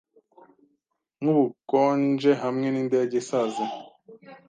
Nkubukonje hamwe nindege isaze